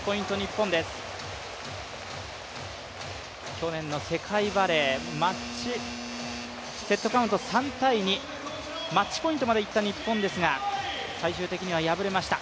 去年の世界バレーセットカウント３−２マッチポイントまでいった日本ですが最終的には敗れました。